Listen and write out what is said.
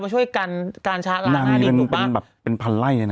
มันช่วยกันการชะลากนั้นถูกปะมันเป็นแบบเป็นพันไหล่นี่นะ